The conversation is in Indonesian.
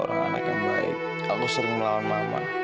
anak anak yang baik aku sering melawan mama